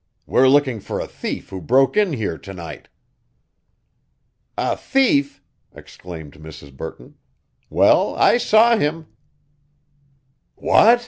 "We're looking for a thief who broke in here to night." "A thief!" exclaimed Mrs. Burton. "Well, I saw him." "What?"